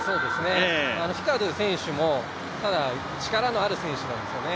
フィカドゥ選手も力のある選手なんですよね。